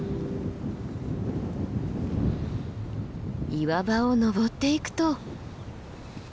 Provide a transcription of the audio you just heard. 岩場を登っていくと。